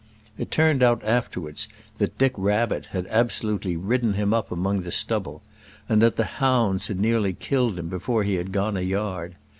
It turned out afterwards that Dick Rabbit had absolutely ridden him up among the stubble, and that the hounds had nearly killed him before he had gone a yard.